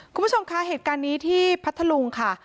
คุณผู้ชมคะเหตุการณ์นี้ที่พัทธลุงค่ะ